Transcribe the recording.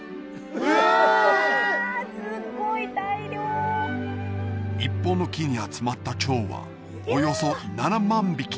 ・うわすごい大量一本の木に集まった蝶はおよそ７万匹